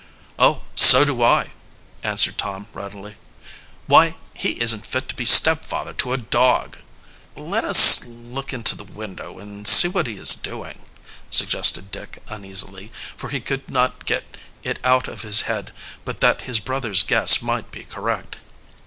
"Oh, so do I," answered Tom readily. "Why, he isn't fit to be stepfather to a dog!" "Let us look into the window and see what he is doing," suggested Dick uneasily, for he could not get it out of his head but that his brother's guess might be correct.